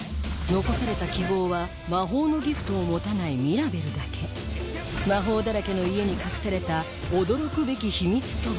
残された希望は魔法のギフトを持たないミラベルだけ魔法だらけの家に隠された驚くべき秘密とは？